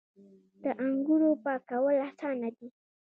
د انګورو پاکول اسانه دي.